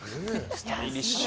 スタイリッシュ。